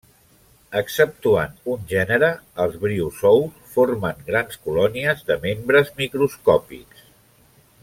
Exceptuant un gènere, els briozous formen grans colònies de membres microscòpics.